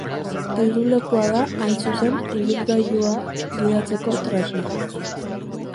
Heldulekua da, hain zuzen, ibilgailua gidatzeko tresna.